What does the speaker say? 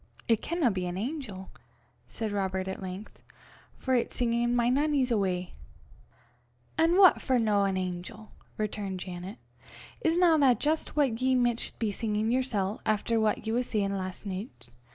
"It canna be an angel," said Robert at length, "for it's singin' 'My Nannie's Awa.'" "An' what for no an angel?" returned Janet. "Isna that jist what ye micht be singin' yersel', efter what ye was sayin' last nicht?